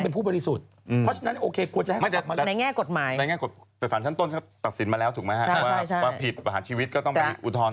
พออุทธรณ์เสร็จหึอุทธรณ์แพ้อีกเขาก็ต้องไปดีการ